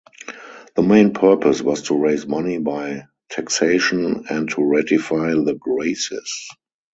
The main purpose was to raise money by taxation and to ratify the Graces.